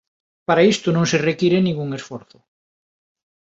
Para isto non se require ningún esforzo.